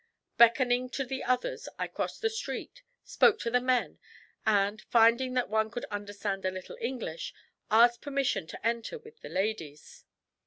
Beckoning to the others, I crossed the street, spoke to the men, and, finding that one could understand a little English, asked permission to enter with the ladies.